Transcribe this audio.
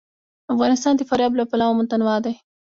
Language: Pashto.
افغانستان د فاریاب له پلوه متنوع دی.